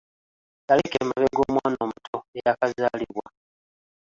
Yaleka emabega omwana omuto eyakazaalibwa.